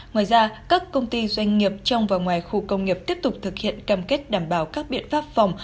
ngoài ra các công ty doanh nghiệp trong và ngoài khu công nghiệp tiếp tục thực hiện cam kết đảm bảo các biện pháp phòng